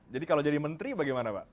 jadi kalau jadi menteri bagaimana pak